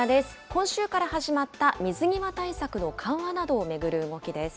今週から始まった水際対策などの巡る動きです。